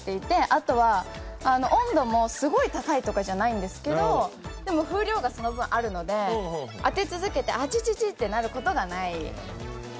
あとは、温度もすごい高いとかじゃないんですけど風量がその分あるので、当て続けてアチチチとなることがない。